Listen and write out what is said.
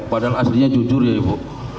padahal aslinya jujur ya ibu